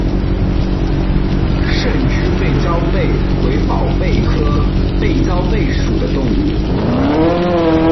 胜枝背焦贝为宝贝科背焦贝属的动物。